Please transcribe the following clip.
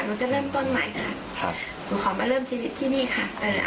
หนูจะเริ่มต้นใหม่นะคะครับหนูขอมาเริ่มชีวิตที่นี่ค่ะเอ่อ